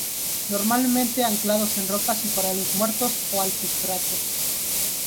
Normalmente anclados en rocas y corales muertos o al sustrato.